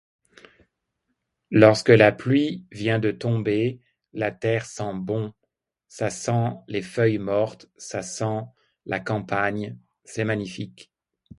Lorsque la pluie vient de tomber, la terre sent bon, ça sent les feuilles mortes, ça sent la campagne, c'est magnifique.